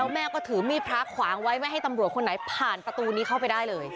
แม่ก็ถือมีดพระขวางไว้ไม่ให้ตำรวจคนไหนผ่านประตูนี้เข้าไปได้เลย